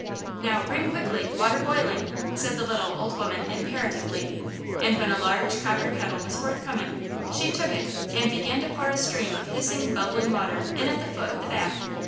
"Now, bring quickly, water boiling," said the little, old woman, imperatively. And when a large copper kettleful was forthcoming, she took it and began to pour a stream of hissing, bubbling water in at the foot of the bath.